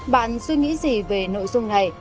bạn suy nghĩ gì về nội dung này